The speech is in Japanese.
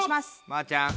まーちゃん。